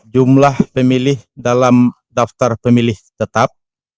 jumlah pemilih dalam daftar pemilih tetap